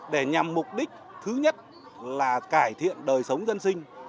để nhằm mục đích thứ nhất là cải thiện đời sống dân sinh